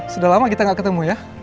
sudah lama kita gak ketemu ya